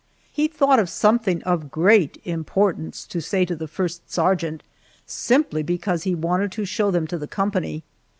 He thought of something of great importance to say to the first sergeant, simply because he wanted to show them to the company.